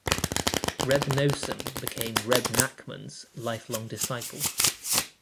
Reb Noson became Rebbe Nachman's lifelong disciple.